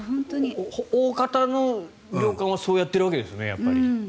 大方の旅館はそうやっているわけですよね。